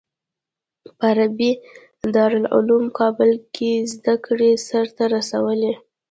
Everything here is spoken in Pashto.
په عربي دارالعلوم کابل کې زده کړې سر ته رسولي.